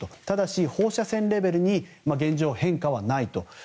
ただし放射線レベルに現状変化はないと。